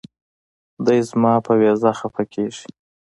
دے زما پۀ وېزه خفه کيږي